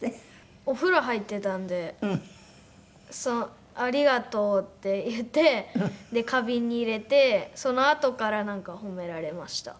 お風呂入ってたんで「ありがとう」って言って花瓶に入れてそのあとからなんか褒められました。